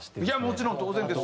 もちろん当然ですよ。